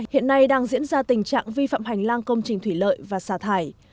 hiện nay đang diễn ra tình trạng vi phạm hành lang công trình thủy lợi và xả thải